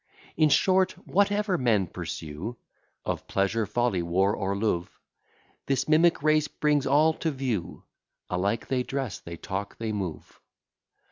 In short, whatever men pursue, Of pleasure, folly, war, or love: This mimic race brings all to view: Alike they dress, they talk, they move.